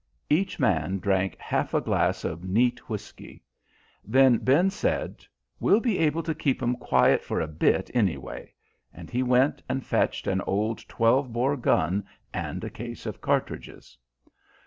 Each man drank half a glass of neat whisky; then Ben said: "We'll be able to keep 'em quiet for a bit, anyway," and he went and fetched an old twelve bore gun and a case of cartridges.